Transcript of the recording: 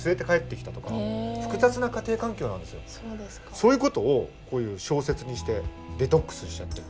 そういう事をこういう小説にしてデトックスしちゃってる。